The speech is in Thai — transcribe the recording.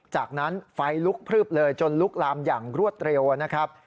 จากนั้นไฟลุกพลึบเลยจนลุกลามอย่างรวดเร็วนะครับ